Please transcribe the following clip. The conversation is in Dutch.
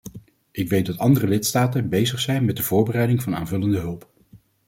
Ik weet dat andere lidstaten bezig zijn met de voorbereiding van aanvullende hulp.